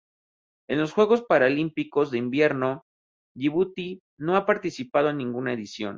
En los Juegos Paralímpicos de Invierno Yibuti no ha participado en ninguna edición.